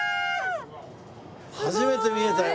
初めて見えたよ。